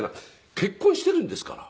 結婚しているんですから。